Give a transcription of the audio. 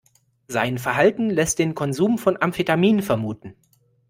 Sein Verhalten lässt den Konsum von Amphetaminen vermuten.